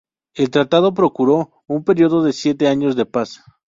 El tratado procuró un período de siete años de paz.